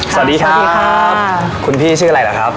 สวัสดีครับสวัสดีครับคุณพี่ชื่ออะไรหรอครับ